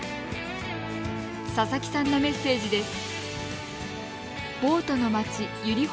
佐々木さんのメッセージです。